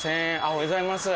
おはようございます。